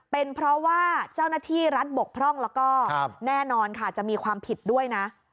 เป็นเพราะว่าเจ้าหน้าที่รัฐบกพร่องแล้วก็แน่นอนค่ะจะมีความผิดด้วยนะ